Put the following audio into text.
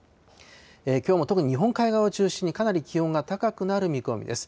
きょうも特に日本海側を中心に、かなり気温が高くなる見込みです。